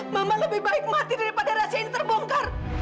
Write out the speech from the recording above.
memang lebih baik mati daripada rahasia ini terbongkar